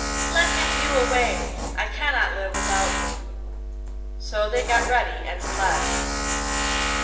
'Let him hew away! I cannot live without you. So they got ready and fled.